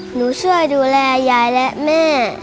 ช่วยดูแลยายและแม่